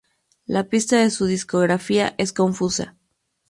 La pista de su discografía es confusa.